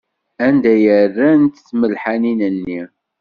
Anda ara rrent tmelḥanin-nni?